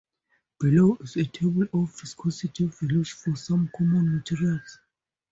Below is a table of viscosity values for some common materials.